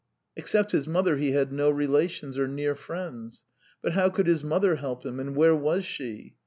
Except his mother, he had no relations or near friends; but how could his mother help him? And where was she?